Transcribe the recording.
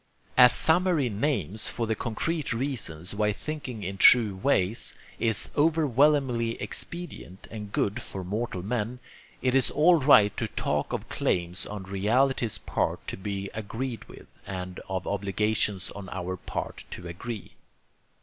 As summary names for the concrete reasons why thinking in true ways is overwhelmingly expedient and good for mortal men, it is all right to talk of claims on reality's part to be agreed with, and of obligations on our part to agree.